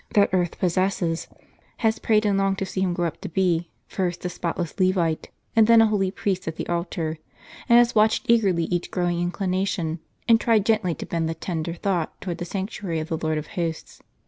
that earth possesses ; has prayed and longed to see him grow up to be, first a spotless Levite, and then a holy priest at the altar; and has watched eagerly each growing inclination, and tried gently to bend the tender thought towards the sanctuary of the Lord of Hosts.